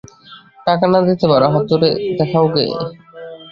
টাকা না দিতে পারো হাতুড়ে দেখাওগে।